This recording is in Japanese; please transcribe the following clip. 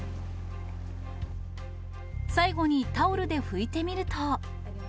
最後にタオルで拭いてみると。